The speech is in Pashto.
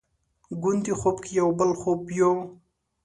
ګوندې خوب کې یو بل خوب یو؟